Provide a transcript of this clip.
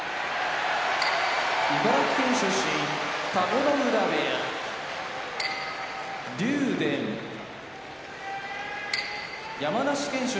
茨城県出身田子ノ浦部屋竜電山梨県出身